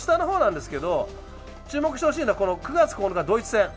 注目してほしいのは９月９日ドイツ戦。